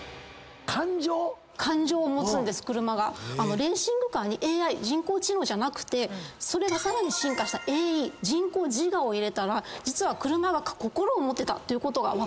レーシングカーにＡＩ人工知能じゃなくてそれがさらに進化したＡＥ人工自我を入れたら実は車が心を持てたっていうことが分かったんですね。